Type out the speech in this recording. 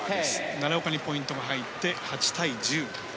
奈良岡にポイントが入って８対１０。